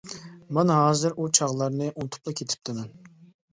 مانا ھازىر ئۇ چاغلارنى ئۇنتۇپلا كېتىپتىمەن.